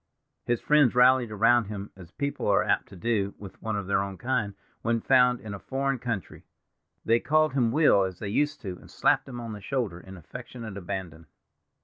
His friends rallied around him as people are apt to do with one of their own kind when found in a foreign country. They called him Will, as they used to, and slapped him on the shoulder in affectionate abandon.